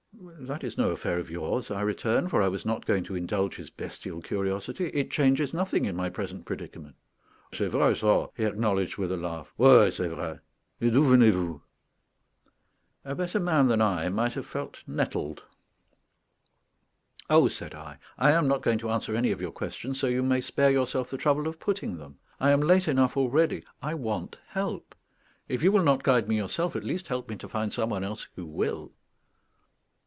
"That is no affair of yours," I returned, for I was not going to indulge his bestial curiosity; "it changes nothing in my present predicament." "C'est vrai, ça," he acknowledged, with a laugh; "oui, c'est vrai. Et d'où venez vous?" A better man than I might have felt nettled. "Oh," said I, "I am not going to answer any of your questions, so you may spare yourself the trouble of putting them. I am late enough already; I want help. If you will not guide me yourself, at least help me to find some one else who will."